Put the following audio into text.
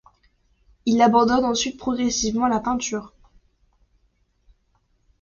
Il abandonne ensuite progressivement la peinture.